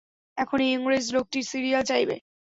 এখন এই ইংরেজ লোকটি সিরিয়াল চাইবে।